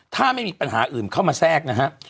ถ้าไม่มีปัญหาอื่นเข้ามาแทรกนะฮะ